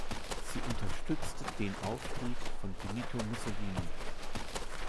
Sie unterstützte den Aufstieg von Benito Mussolini.